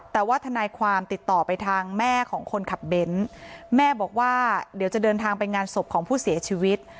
แต่ว่าทนายความติดต่อไปทางแม่ของคนขับเบนท์แม่บอกว่าเดี๋ยวจะเดินทางไปงานศพของผู้เสียชีวิต